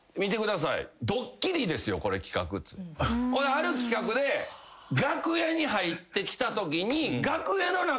ある企画で楽屋に入ってきたときに。